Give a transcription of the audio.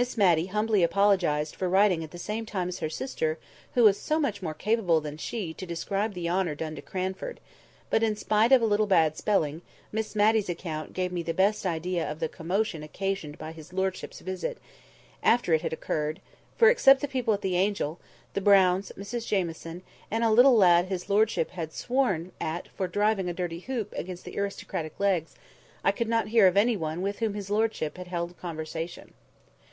Miss Matty humbly apologised for writing at the same time as her sister, who was so much more capable than she to describe the honour done to Cranford; but in spite of a little bad spelling, Miss Matty's account gave me the best idea of the commotion occasioned by his lordship's visit, after it had occurred; for, except the people at the Angel, the Browns, Mrs Jamieson, and a little lad his lordship had sworn at for driving a dirty hoop against the aristocratic legs, I could not hear of any one with whom his lordship had held conversation.